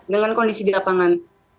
dengan kondisi di lapangan